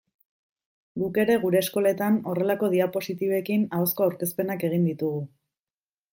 Guk ere gure eskoletan horrelako diapositibekin ahozko aurkezpenak egin ditugu.